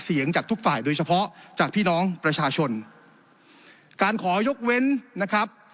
เสียงจากทุกฝ่ายโดยเฉพาะจากพี่น้องประชาชนการขอยกเว้นนะครับ